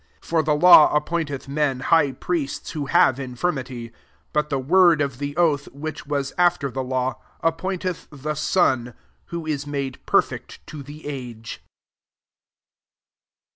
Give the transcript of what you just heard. * 28 For the law ap pointeth men high priests who have infirmity ; but the word of the oath« which wom after the law, afifiointeth the Son, who is made perfect to the age.